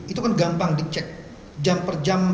itu kan gampang dicek jam per jam